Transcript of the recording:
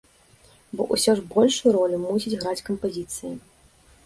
Бо ўсё ж большую ролю мусіць граць кампазіцыя.